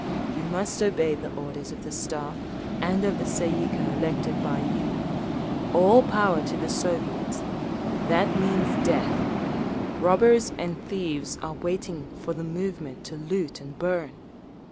You must obey the orders of the Staff and of the Tsay ee kah elected by you. All Power to the Soviets—that means death! Robbers and thieves are waiting for the moment to loot and burn….